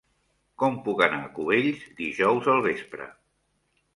Com puc anar a Cubells dijous al vespre?